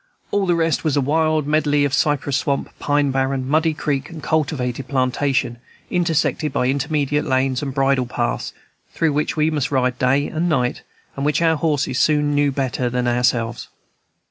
All the rest was a wild medley of cypress swamp, pine barren, muddy creek, and cultivated plantation, intersected by interminable lanes and bridle paths, through which we must ride day and night, and which our horses soon knew better than ourselves.